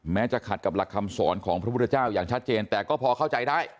จะขัดกับหลักคำสอนของพระพุทธเจ้าอย่างชัดเจนแต่ก็พอเข้าใจได้